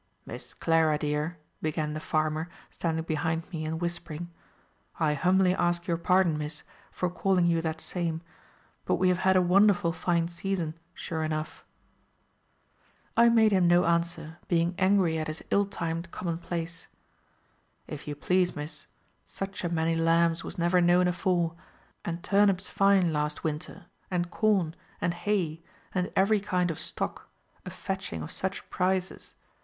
"Miss Clara dear," began the farmer, standing behind me, and whispering, "I humbly ask your pardon, Miss, for calling you that same. But we have had a wonderful fine season, sure enough." I made him no answer, being angry at his ill timed common place. "If you please, Miss, such a many lambs was never known afore, and turnips fine last winter, and corn, and hay, and every kind of stock, a fetching of such prices.